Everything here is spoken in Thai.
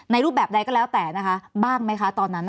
รูปแบบใดก็แล้วแต่นะคะบ้างไหมคะตอนนั้น